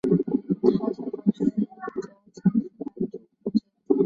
他就读时则曾经两度骨折。